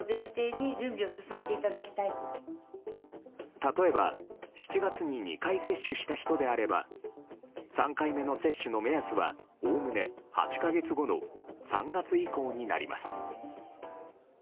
例えば７月に２回接種した人であれば３回目の接種の目安はおおむね８か月後の３月以降になります。